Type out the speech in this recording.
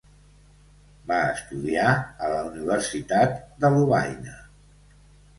Va estudiar a la universitat de Lovaina.